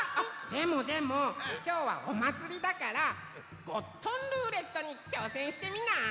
でもでもきょうはおまつりだからゴットンルーレットにちょうせんしてみない？